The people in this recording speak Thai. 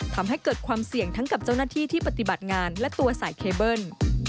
ทำให้เกิดความเสี่ยงทั้งกับเจ้าหน้าที่ที่ปฏิบัติงานและตัวสายเคเบิ้ล